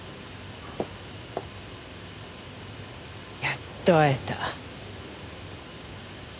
やっと会えた。